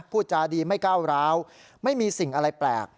พูดจาดีไม่ก้าวร้าวไม่มีสิ่งอะไรแปลก